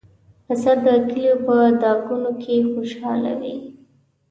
پسه د کلیو په ډاګونو کې خوشحال وي.